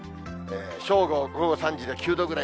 正午、午後３時で９度ぐらい。